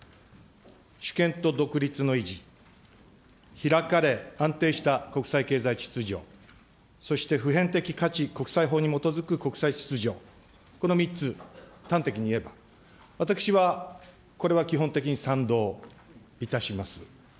主権と独立の維持、開かれ、安定した国際経済秩序、そして普遍的価値、国際法に基づく国際秩序、この３つ、端的に言えば、私は、これは基本的に賛同いたします。